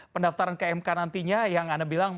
pendaftaran ke mk nantinya yang anda bilang